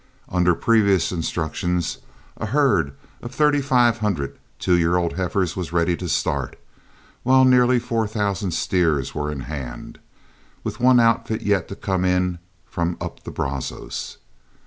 Under previous instructions, a herd of thirty five hundred two year old heifers was ready to start, while nearly four thousand steers were in hand, with one outfit yet to come in from up the Brazos.